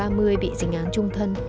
người bị dính án trung thân